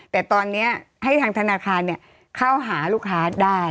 แต่ตอนนี้ให้ทางธนาคารเข้าหาลูกค้าได้